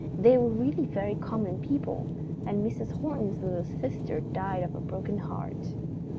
They were really very common people, and Mrs. Horton's little sister died of a broken heart.